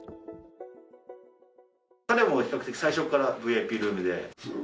彼も最初からＶＩＰルームで？